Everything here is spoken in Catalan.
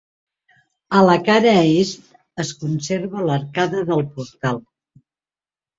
A la cara est, es conserva l'arcada del portal.